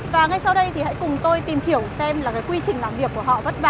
và ngay sau đây thì hãy cùng tôi tìm hiểu xem là cái quy trình làm việc của họ vất vả như thế nào